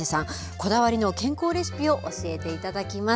こだわりの健康レシピを教えていただきます。